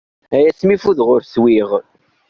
Ay asmi ffudeɣ ur swiɣ.